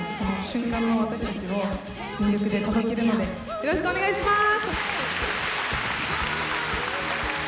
よろしくお願いします！